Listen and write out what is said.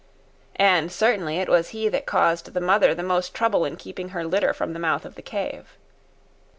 And certainly it was he that caused the mother the most trouble in keeping her litter from the mouth of the cave.